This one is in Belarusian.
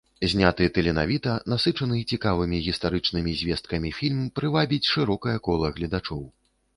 Зняты таленавіта, насычаны цікавымі гістарычнымі звесткамі фільм прывабіць шырокае кола гледачоў.